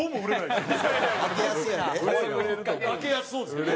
開けやすそうですけどね。